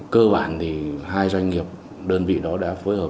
cơ bản thì hai doanh nghiệp đơn vị đó đã phối hợp